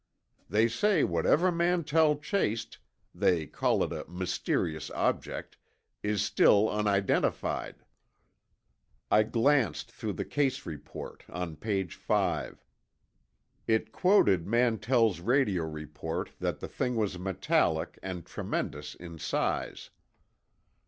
They say whatever Mantell chased—they call it a 'mysterious object'—is still unidentified." I glanced through the case report, on page five. It quoted Mantell's radio report that the thing was metallic and tremendous in size.